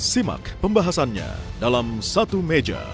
simak pembahasannya dalam satu meja